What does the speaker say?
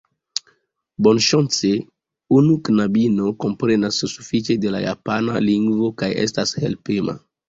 Bonŝance, unu knabino komprenas sufiĉe de la japana lingvo kaj estas helpema.